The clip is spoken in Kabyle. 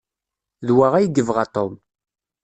D wa ay yebɣa Tom.